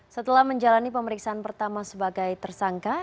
setelah menjalani pemeriksaan pertama sebagai tersangka